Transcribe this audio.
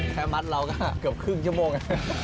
มัดเราก็เกือบครึ่งชั่วโมง